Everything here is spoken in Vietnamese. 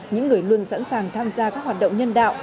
những người luôn sẵn sàng tham gia các hoạt động nhân đạo